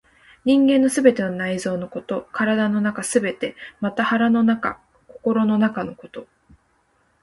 人間の全ての内臓のこと、体の中すべて、または腹の中、心の中のこと。